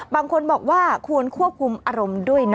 บางคนบอกว่าควรควบคุมอารมณ์ด้วยนะ